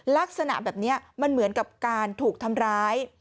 ลักษณะแบบนี้มันเหมือนกับการถูกทำร้าย